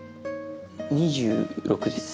２６です。